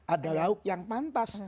ada lauk yang pantas